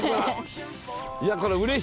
いやこれ。